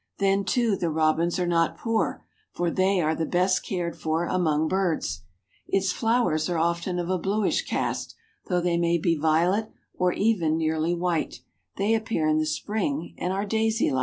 Then, too, the robins are not poor, for they are the best cared for among birds. Its flowers are often of a bluish cast, though they may be violet or even nearly white; they appear in the spring and are daisy like.